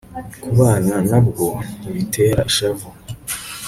kubana na bwo ntibitera ishavu